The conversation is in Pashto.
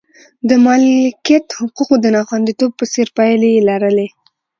د مالکیت حقوقو د ناخوندیتوب په څېر پایلې یې لرلې.